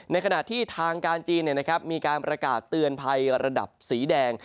ในขณะที่ทางการจีนมีการประกาศเตือนภัยระดับสีแดง